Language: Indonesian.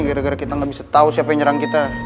gara gara kita nggak bisa tahu siapa yang nyerang kita